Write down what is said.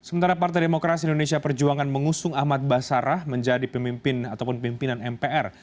sementara partai demokrasi indonesia perjuangan mengusung ahmad basarah menjadi pemimpin ataupun pimpinan mpr